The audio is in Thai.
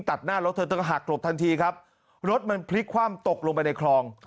ตัดหน้ารถเธอเธอก็หักหลบทันทีครับรถมันพลิกคว่ำตกลงไปในคลอง